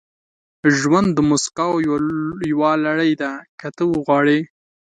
• ژوند د موسکاو یوه لړۍ ده، که ته وغواړې.